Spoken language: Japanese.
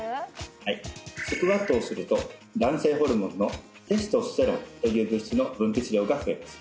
はいスクワットをすると男性ホルモンのテストステロンという物質の分泌量が増えます